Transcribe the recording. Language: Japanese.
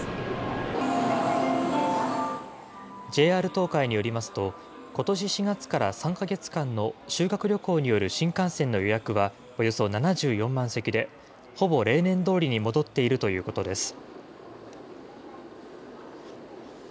ＪＲ東海によりますと、ことし４月から３か月間の修学旅行による新幹線の予約は、およそ７４万席で、ほぼ例年どおりに戻っているということです。